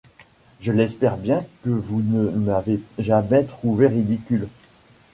Je l’espère bien que vous ne m’avez jamais trouvée ridicule.